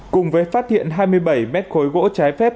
cùng với phát hiện hai mươi bảy mét khối gỗ trái phép